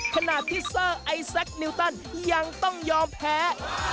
ขณะที่เซอร์ไอแซคนิวตันยังต้องยอมแพ้